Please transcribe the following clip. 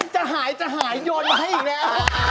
จะหายจะหายโยนมาให้อีกแล้ว